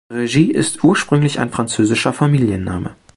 Regis ist ursprünglich ein französischer Familienname.